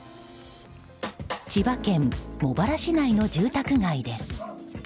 千葉県茂原市内の住宅街です。